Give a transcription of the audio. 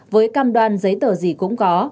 với cam đoan giấy tờ gì cũng có